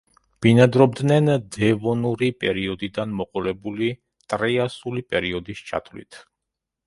ბინადრობდნენ დევონური პერიოდიდან მოყოლებული ტრიასული პერიოდის ჩათვლით.